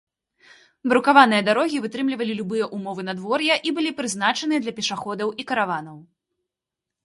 Брукаваныя дарогі вытрымлівалі любыя ўмовы надвор'я і былі прызначаныя для пешаходаў і караванаў.